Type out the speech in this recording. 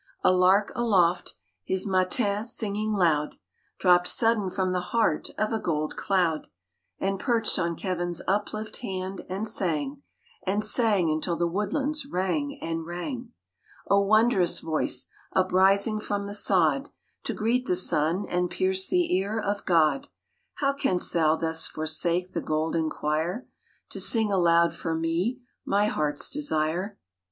A lark aloft, his matins singing loud, Dropped sudden from the heart of a gold cloud, And perched on Kevin's uplift hand and sang, And sang until the woodlands rang and rang. " O wondrous voice, uprising from the sod To greet the sun and pierce the ear of God, How canst thou thus forsake the golden quire To sing aloud for me my heart's desire?"